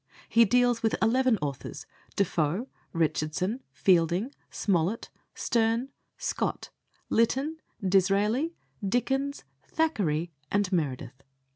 He deals with eleven authors Defoe, Richardson, Fielding, Smollett, Sterne, Scott, Lytton, Disraeli, Dickens, Thackeray, Meredith.